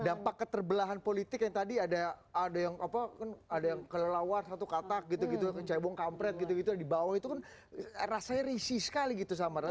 dampak keterbelahan politik yang tadi ada yang kelelawar satu katak gitu gitu kecebong kampret gitu gitu dibawa itu kan rasanya risih sekali gitu sama